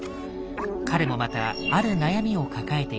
彼もまたある悩みを抱えていた。